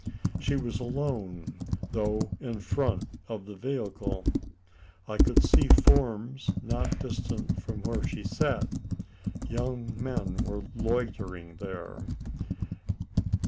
She was alone though in front of the vehicle, I could see forms not distant from where she sat. Young men were loitering there.